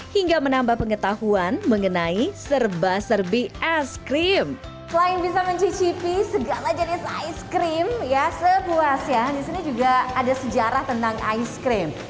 hingga menambah pengetahuan mengenai serba serbi ice cream selain bisa mencicipi